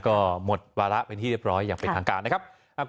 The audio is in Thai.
ก็หมดวาระเป็นที่เรียบร้อยอย่างเป็นทางการนะครับ